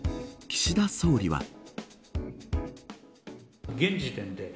岸田総理は。